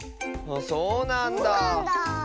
そうなんだ。